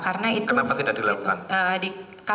kenapa tidak dilakukan